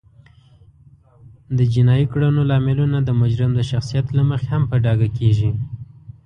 د جینایي کړنو لاملونه د مجرم د شخصیت له مخې هم په ډاګه کیږي